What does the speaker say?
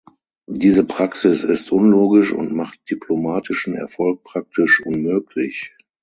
Diese Praxis ist unlogisch und macht diplomatischen Erfolg praktisch unmöglich.